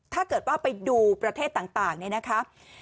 ถ้าเกิดว่าไปดูประเทศต่างเนี่ยนะคะ